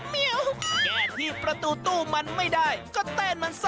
แมวแค่ที่ประตูตู้มันไม่ได้ก็เต้นมันสั่นเลย